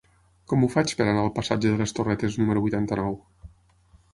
Com ho faig per anar al passatge de les Torretes número vuitanta-nou?